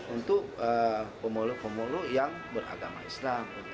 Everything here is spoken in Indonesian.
untuk pemuluh pemulung yang beragama islam